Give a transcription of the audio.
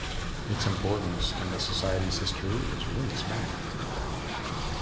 It's importance in the Society's history is really small.